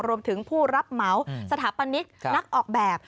รวมถึงผู้รับเหมาสถาปนิกนักออกแบบ